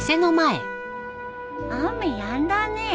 雨やんだね。